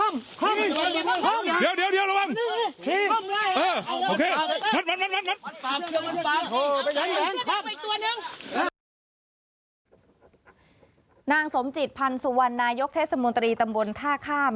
นางสมจิตพันธ์สุวรรณนายกเทศมนตรีตำบลท่าข้าม